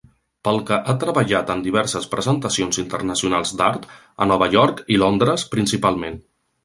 Pel que ha treballat en diverses presentacions internacionals d'art, a Nova York i Londres principalment.